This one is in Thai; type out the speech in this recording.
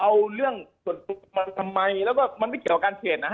เอาเรื่องส่วนปุวกมาทำไมและมันไม่เกี่ยวกับการเคลียร